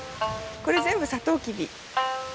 これ全部サトウキビ。